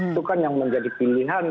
itu kan yang menjadi pilihan